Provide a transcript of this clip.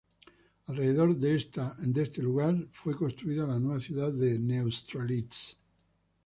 Alrededor de este lugar fue construida la nueva ciudad de Neustrelitz.